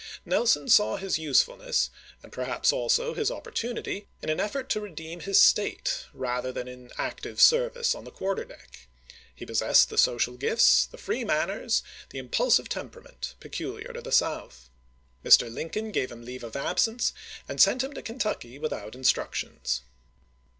Nelson saw his usefulness, and perhaps also his opportunity, in an effort to redeem his State, rather than in active service on the quarter deck. He possessed the social gifts, the free manners, the impulsive temperament peculiar to the South. Mr. Lincoln gave him leave of absence, and sent him to Kentucky without instructions.